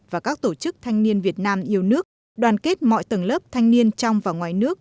và các tổ chức thanh niên việt nam yêu nước đoàn kết mọi tầng lớp thanh niên trong và ngoài nước